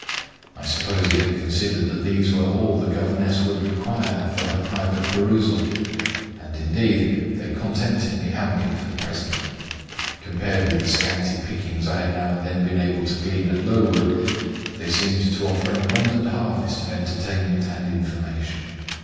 I suppose he had considered that these were all the governess would require for her private perusal; and, indeed, they contented me amply for the present; compared with the scanty pickings I had now and then been able to glean at Lowood, they seemed to offer an abundant harvest of entertainment and information.